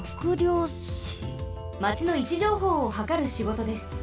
まちのいちじょうほうをはかるしごとです。